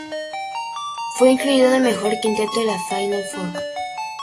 Fue incluido en el mejor quinteto de la Final Four.